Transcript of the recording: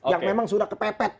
yang memang sudah kepepet